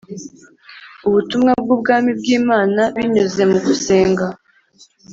Ubutumwa bw Ubwami bw Imana binyuze mugusenga